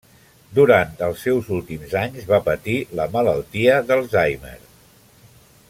Durant els seus últims anys va patir la malaltia d'Alzheimer.